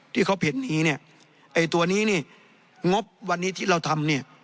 ที่เขาเห็นนี้เนี่ยไอ้ตัวนี้นี่งบวันนี้ที่เราทำเนี่ย